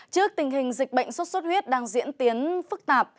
trước tình hình dịch bệnh sốt xuất huyết đang diễn tiến phức tạp